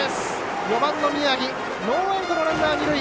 ４番の宮城ノーアウト、ランナー、二塁。